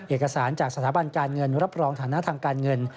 เอกสารจากสถาบันการเงินรับรองฐานะทางการเงิน